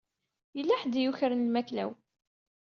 Yella ḥedd i yukren lmakla-w.